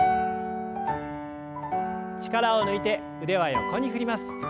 力を抜いて腕は横に振ります。